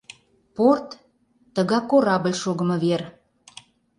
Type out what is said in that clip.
Порт — тыгак корабль шогымо вер.